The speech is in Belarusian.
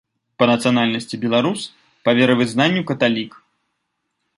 Па нацыянальнасці беларус, па веравызнанню каталік.